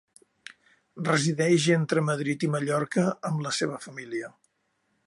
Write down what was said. Resideix entre Madrid i Mallorca amb la seva família.